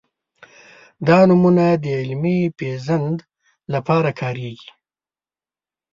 دا نومونه د علمي پېژند لپاره کارېږي.